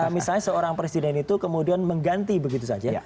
misalnya seorang presiden itu kemudian mengganti begitu saja